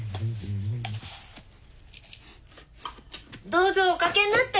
どうぞおかけになって。